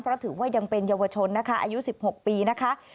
เพราะถือว่ายังเป็นเยาวชนนะคะอายุ๑๖ปีนะคะ